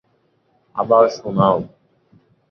আবার শোনাও।